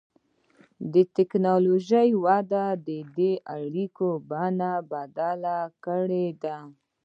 د ټکنالوجۍ وده د اړیکو بڼه بدله کړې ده.